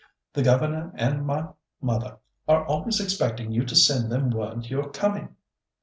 The governor and my mother are always expecting you to send them word you're coming."